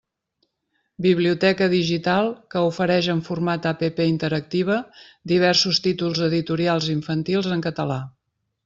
Biblioteca digital que ofereix en format app interactiva diversos títols editorials infantils en català.